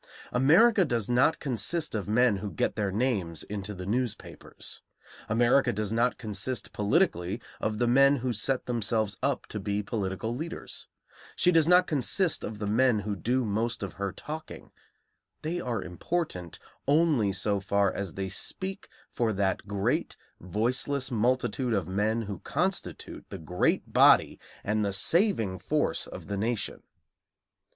America does not consist of men who get their names into the newspapers; America does not consist politically of the men who set themselves up to be political leaders; she does not consist of the men who do most of her talking, they are important only so far as they speak for that great voiceless multitude of men who constitute the great body and the saving force of the nation.